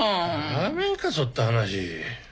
やめんかそった話。